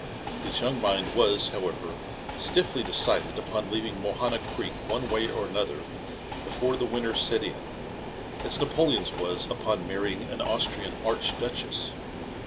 His young mind was, however, stiffly deciJed upon leaving Mohana Creek one way or ^another before the winter set in, as Napoleon's was upon marrying an Austrian archduchess.